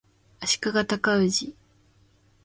足利尊氏